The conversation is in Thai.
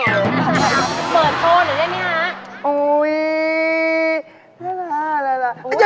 เปิดโทนหรือแบบนี้คะ